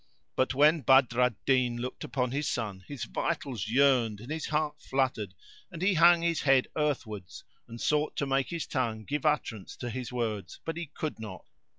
But when Badr al Din looked upon his son his vitals yearned and his heart fluttered, and he hung his head earthwards and sought to make his tongue give utterance to his words, but he could not.